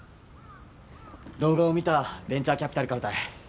動画を見たベンチャーキャピタルからたい。